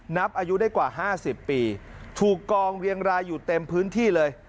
นับอายุได้กว่า๕๐ปีถูกกองเรียงรายอยู่เต็มพื้นที่เลย